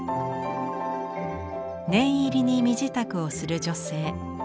念入りに身支度をする女性。